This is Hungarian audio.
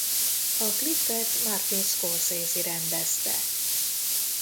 A klipet Martin Scorsese rendezte.